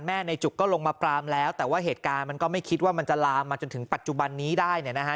ในจุกก็ลงมาปรามแล้วแต่ว่าเหตุการณ์มันก็ไม่คิดว่ามันจะลามมาจนถึงปัจจุบันนี้ได้เนี่ยนะฮะ